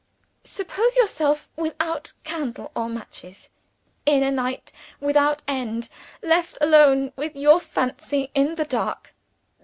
"Suppose yourself without candle or matches, in a night without end, left alone with your fancy in the dark.